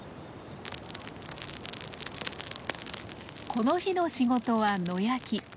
この日の仕事は野焼き。